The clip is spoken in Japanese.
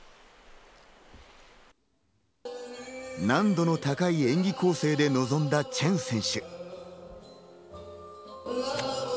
難度の高い演技構成で臨んだチェン選手。